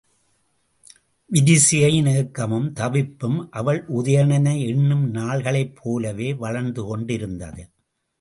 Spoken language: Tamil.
விரிசிகையின் ஏக்கமும் தவிப்பும், அவள் உதயணனை எண்ணும் நாள்களைப் போலவே வளர்ந்து கொண்டிருந்தது.